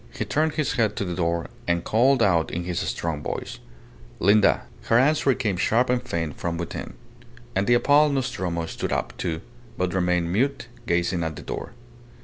He turned his head to the door, and called out in his strong voice "Linda." Her answer came sharp and faint from within; and the appalled Nostromo stood up, too, but remained mute, gazing at the door.